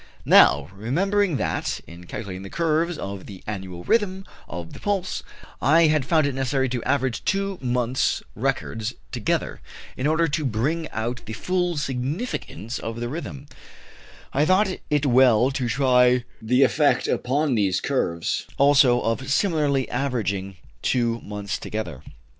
Now, remembering that, in calculating the curves of the annual rhythm of the pulse, I had found it necessary to average two months' records together, in order to bring out the full significance of the rhythm, I thought it well to try the effect upon these curves also of similarly averaging two months together.